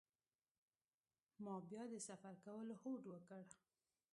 ما بیا د سفر کولو هوډ وکړ.